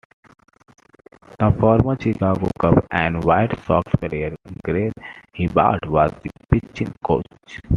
The former Chicago Cubs and White Sox player Greg Hibbard was the pitching coach.